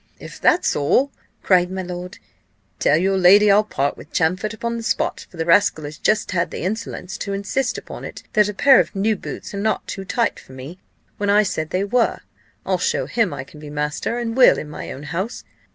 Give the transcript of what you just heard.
'If that's all,' cried my lord, 'tell your lady I'll part with Champfort upon the spot; for the rascal has just had the insolence to insist upon it, that a pair of new boots are not too tight for me, when I said they were. I'll show him I can be master, and will, in my own house.